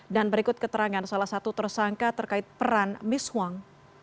dan berikut keterangan salah satu tersangka terkait peran miss huang